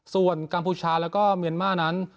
ส่วนกัมพูชาแล้วก็เมียนมาร์นั้น